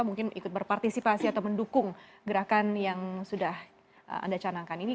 mungkin ikut berpartisipasi atau mendukung gerakan yang sudah anda canangkan ini